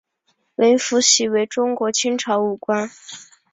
林福喜为中国清朝武官。